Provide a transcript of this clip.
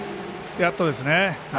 やっとですね。